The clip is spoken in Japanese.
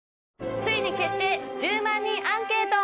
ついに決定１０万人アンケート！